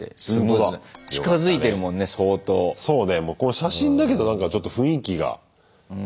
写真だけどなんかちょっと雰囲気がね